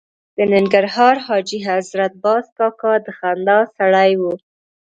د ننګرهار حاجي حضرت باز کاکا د خندا سړی و.